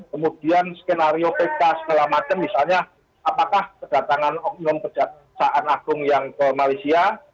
kemudian skenario pk segala macam misalnya apakah kedatangan oknum kejaksaan agung yang ke malaysia